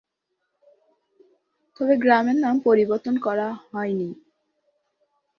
তবে গ্রামের নাম পরিবর্তন করা হয়নি।